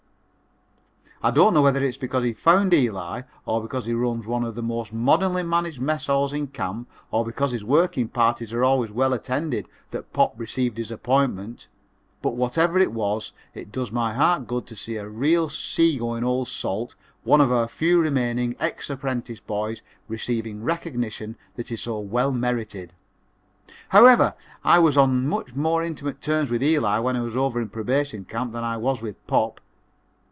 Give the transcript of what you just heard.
I don't know whether it was because he found Eli or because he runs one of the most modernly managed mess halls in camp or because his working parties are always well attended that "Pop" received his appointment, but whatever it was it does my heart good to see a real seagoing old salt, one of our few remaining ex apprentice boys, receive recognition that is so well merited. However, I was on much more intimate terms with Eli when I was over in Probation Camp than I was with "Pop."